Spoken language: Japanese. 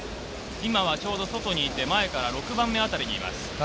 今はちょうど外にいて、前から６番目あたりにいます。